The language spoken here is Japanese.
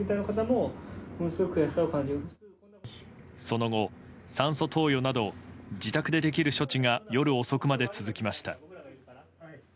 その後、酸素投与など自宅でできる処置が夜遅くまで続きました。